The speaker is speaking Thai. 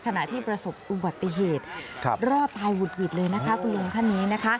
ขณะที่ประสบอุบัติเหตุรอตายหวุดหวิดคุณลุงค่ะนี้